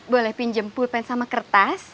boleh pinjam pulpen sama kertas